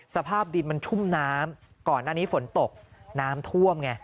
สภาพดินมันชุ่มน้ำก่อนหน้านี้ฝนตกน้ำท่วมไง